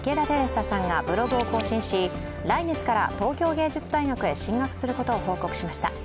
紗さんがブログを更新し、来月から東京藝術大学へ進学することを報告しました。